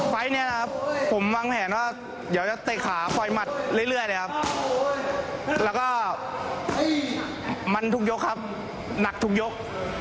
ไฟล์นี้นะครับผมวางแผนว่าเดี๋ยวจะเตะขาปล่อยหมัดเรื่อยเลยครับแล้วก็มันทุกยกครับหนักทุกยก